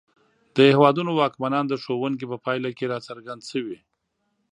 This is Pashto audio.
د هېوادونو واکمنان د ښوونکي په پایله کې راڅرګند شوي.